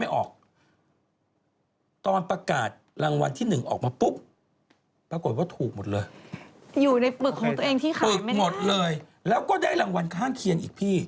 บึกของตัวเองที่ขายไหมครับบึกหมดเลยแล้วก็ได้รางวัลข้างเคียนอีกพี่